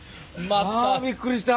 あびっくりした。